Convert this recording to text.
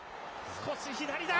少し左だ。